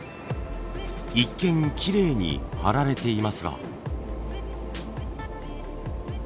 一見きれいに張られていますが。